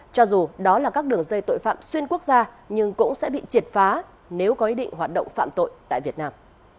cho dù đó là các đường dây tội phạm xuyên quốc gia nhưng cũng sẽ bị triệt phá nếu có ý định hoạt động phạm tội tại việt nam